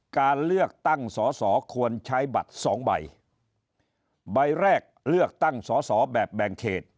การเลือกตั้งสอสอควรใช้บัตรสองใบใบแรกเลือกตั้งสอสอแบบแบ่งเขต